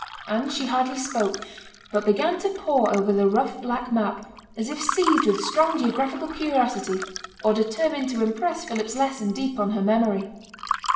And she hardly spoke, but began to pore over the rough black map, as if seized with strong geographical curiosity, or determined to impress Philip's lesson deep on her memory.